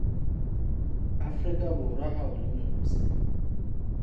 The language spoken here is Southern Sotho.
Afrika Borwa ha o le mose.